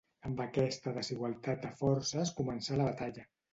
Amb aquesta desigualtat de forces començà la batalla.